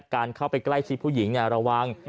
การเข้าไปใกล้ชีวิตผู้หญิงเนี่ยระวัง